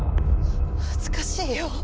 恥ずかしいよ。